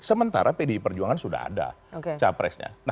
sementara pdi perjuangan sudah ada capresnya